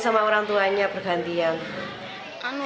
sama orang tuanya bergantian